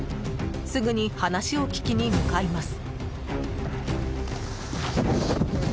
すぐに話を聞きに向かいます。